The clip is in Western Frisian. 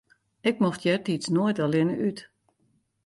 Ik mocht eartiids noait allinne út.